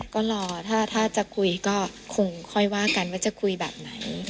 ก็รอถ้าจะคุยก็คงค่อยว่ากันว่าจะคุยแบบไหน